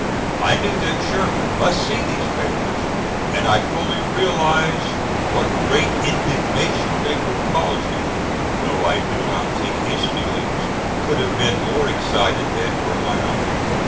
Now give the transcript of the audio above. I knew that Sherman must see these papers, and I fully realized what great indignation they would cause him, though I do not think his feelings could have been more excited than were my own.